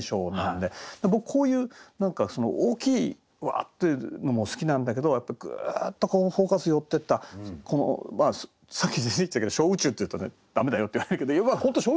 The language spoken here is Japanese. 僕こういう大きいワッていうのも好きなんだけどやっぱりぐっとフォーカス寄ってったこのさっき出てきたけど「小宇宙」って言ったら駄目だよって言われるけど本当に小宇宙なんです。